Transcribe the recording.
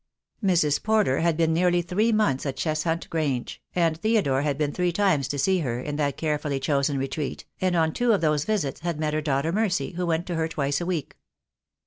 Mrs. Porter had been nearly three months at Cheshunt Grange, and Theodore had been three times to see her in that carefully chosen retreat, and on two of those visits had met her daughter Mercy, who went to her twice a week.